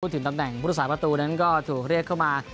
พูดถึงตำแหน่งพุทธศาสตร์ประตูนั้นก็ถูกเรียกเข้ามา